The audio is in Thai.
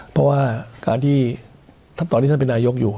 เพราะว่าการที่ตอนที่ท่านเป็นนายกอยู่